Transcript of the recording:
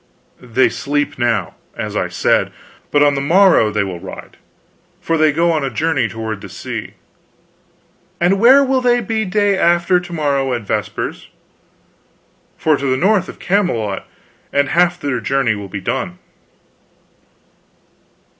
"They sleep now, as I said; but on the morrow they will ride, for they go a journey toward the sea." "And where will they be the day after to morrow at vespers?" "Far to the north of Camelot, and half their journey will be done."